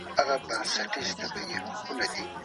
واړه روزل او پښتانه یې لویول.